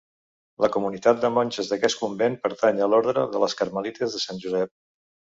La comunitat de monges d'aquest convent pertany a l'Orde de les Carmelites de Sant Josep.